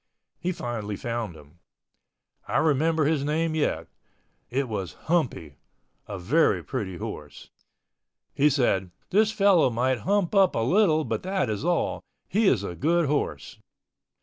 He finally found him. I remember his name yet—it was "Humpy," a very pretty horse. He said, "This fellow might hump up a little but that is all. He is a good horse."